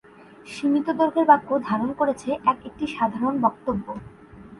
সীমিত দৈর্ঘের বাক্য ধারণ করেছে এক-একটি সাধারণ বক্তব্য।